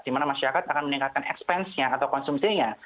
di mana masyarakat akan meningkatkan expense nya atau konsumsinya